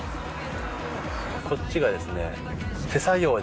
こっちがですね。